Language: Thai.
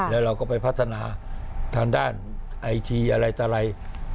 แล้วเราก็ไปพัฒนาทางด้านไอจีอะไรต่ออะไร